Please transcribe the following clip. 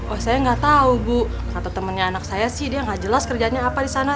oh saya nggak tahu bu kata temannya anak saya sih dia nggak jelas kerjanya apa di sana